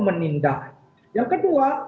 menindak yang kedua